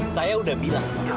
saya udah bilang pak